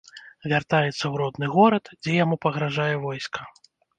Вяртаецца ў родны горад, дзе яму пагражае войска.